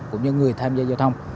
cũng như người tham gia giao thông